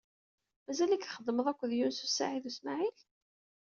Mazal-ik txeddmeḍ akked Yunes u Saɛid u Smaɛil?